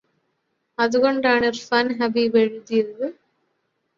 അതുകൊണ്ടാണു ഇര്ഫാന് ഹബീബ് എഴുതിയത്